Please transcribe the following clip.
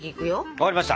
分かりました。